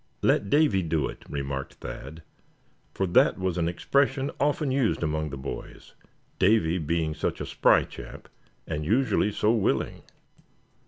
"Let Davy do it," remarked Thad; for that was an expression often used among the boys, Davy being such a spry chap, and usually so willing.